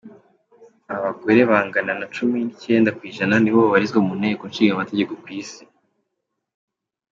Abagore bangana na nacumi nicyenda kw’ijana nibo babarizwa mu nteko nshingamategeko ku isi